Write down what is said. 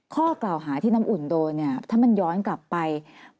ข้อกล่าวหาที่น้ำอุ่นโดนเนี่ยถ้ามันย้อนกลับไป